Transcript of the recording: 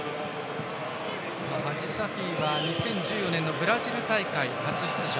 ハジサフィは２０１４年のブラジル大会、初出場。